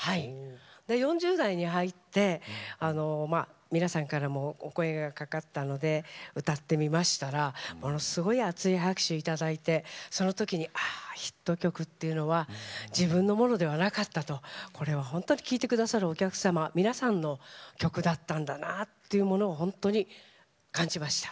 ４０代に入って皆さんからもお声がかかったので歌ってみましたらものすごい熱い拍手をいただいてそのときにヒット曲というのは自分のものではなかったとこれは本当に聴いてくださるお客様、皆さんの曲だったんだと本当に感じました。